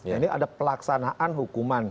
ini ada pelaksanaan hukuman